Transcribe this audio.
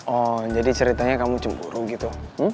oh jadi ceritanya kamu cemburu gitu